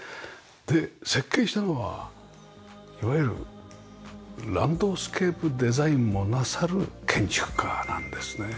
で設計したのはいわゆるランドスケープデザインもなさる建築家なんですね。